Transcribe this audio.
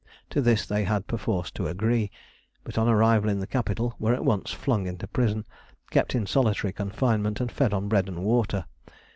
To this they had perforce to agree, but on arrival in the capital were at once flung into prison, kept in solitary confinement, and fed on bread and water.